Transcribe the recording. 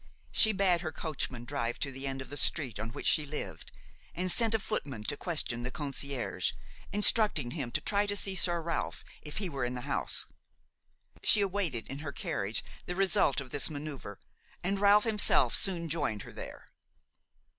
She bade her coachman drive to the end of the street on which she lived and sent a footman to question the concierge, instructing him to try to see Sir Ralph if he were in the house. She awaited in her carriage the result of this manoeuvre, and Ralph himself soon joined her there.